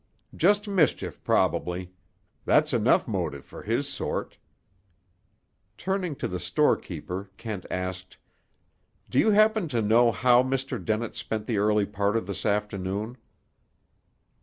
"Just mischief, probably. That's enough motive for his sort." Turning to the store keeper Kent asked: "Do you happen to know how Mr. Dennett spent the early part of this afternoon?"